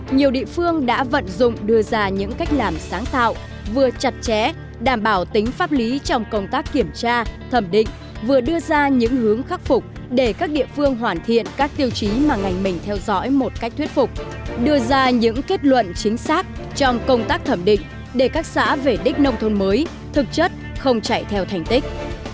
nhiều địa phương đã vận dụng đưa ra những cách làm sáng tạo vừa chặt chẽ đảm bảo tính pháp lý trong công tác kiểm tra thẩm định vừa đưa ra những hướng khắc phục để các địa phương hoàn thiện các tiêu chí mà ngành mình theo dõi một cách thuyết phục đưa ra những kết luận chính xác trong công tác thẩm định để các xã về đích nông thôn mới thực chất không chạy theo thành tích